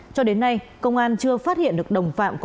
cho đến nay công an chưa phát hiện được đồng phạm